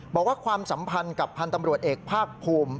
ความสัมพันธ์กับพันธ์ตำรวจเอกภาคภูมิ